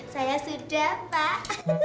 saya sudah pak